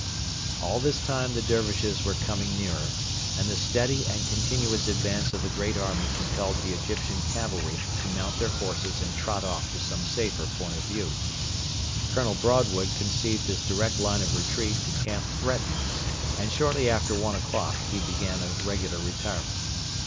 All this time the Dervishes were coming nearer, and the steady and continuous advance of the great army compelled the Egyptian cavalry to mount their horses and trot off to some safer point of view. Colonel Broadwood conceived his direct line of retreat to camp threatened, and shortly after one o'clock he began a regular retirement.